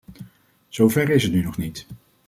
Zo ver is het nú nog niet.